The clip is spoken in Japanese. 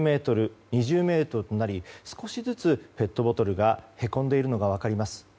１０ｍ、２０ｍとなり少しずつペットボトルがへこんでいるのが分かります。